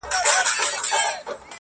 موږ له يوسف عليه السلام څخه ليري وو.